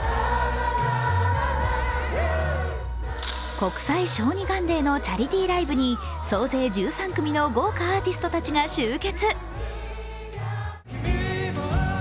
国際小児がんデーのチャリティーライブに総勢１３組の豪華アーティストたちが集結。